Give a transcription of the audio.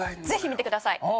ぜひ見てください！